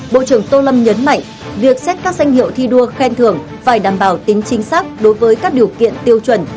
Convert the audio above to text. bộ trưởng tô lâm nhấn mạnh việc xét các danh hiệu thi đua khen thưởng phải đảm bảo tính chính xác đối với các điều kiện tiêu chuẩn